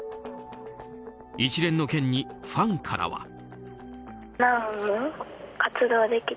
一連の件に、ファンからは。